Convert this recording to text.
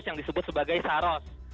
yang disebut sebagai saros